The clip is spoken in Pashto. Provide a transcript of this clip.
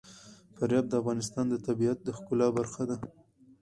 فاریاب د افغانستان د طبیعت د ښکلا برخه ده.